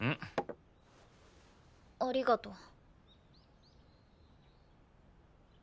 ありがとう。